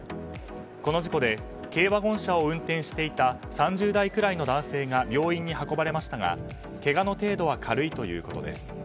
この事故で軽ワゴン車を運転していた３０代くらいの男性が病院に運ばれましたがけがの程度は軽いということです。